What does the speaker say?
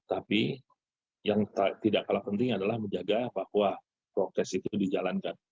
tapi yang tidak kalah penting adalah menjaga bahwa prokes itu dijalankan